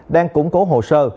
đang củng cố hồ sơ